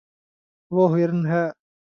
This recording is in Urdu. وہ ہرن ہے